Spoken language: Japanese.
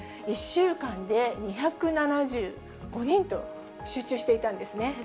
１週間で２７５人と集中していたんですね。